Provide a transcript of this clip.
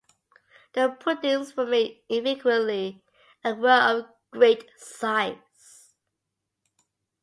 The puddings were made infrequently and were of great size.